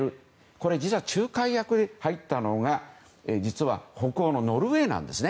これ実は仲介役で入ったのは北欧のノルウェーなんです。